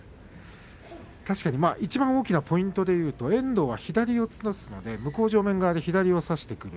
確かにいちばん大きなポイントでいいますと遠藤は左四つですので向正面側で左を差してくる。